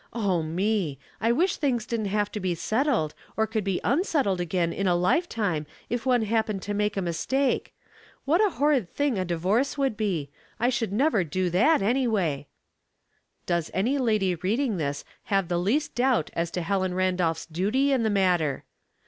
Oh, me ! I wish things didn't have to be settled, or could be unsettled again in a lifetime if one happened to make a mistake. What a horrid thing a divorce would be. I should never do that, anyway." Does any lady reading this have the least doubt as to Helen Randolph's duty in the matter?